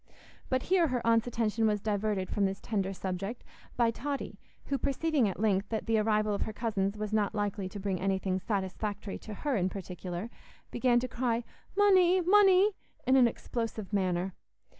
But here her aunt's attention was diverted from this tender subject by Totty, who, perceiving at length that the arrival of her cousins was not likely to bring anything satisfactory to her in particular, began to cry, "Munny, munny," in an explosive manner.